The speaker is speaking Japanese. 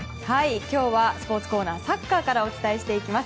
今日はスポーツコーナーサッカーからお伝えしていきます。